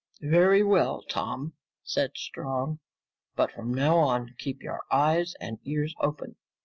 "Very well, Tom," said Strong. "But from now on, keep your eyes and ears open.